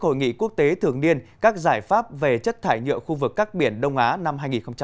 hội nghị quốc tế thường niên các giải pháp về chất thải nhựa khu vực các biển đông á năm hai nghìn hai mươi